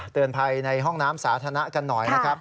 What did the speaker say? ภายในห้องน้ำสาธารณะกันหน่อยนะครับ